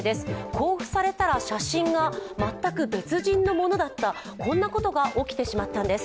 交付されたら写真が全く別人のものだった、こんなことが起きてしまったんです。